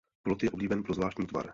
Plod je oblíben pro zvláštní tvar.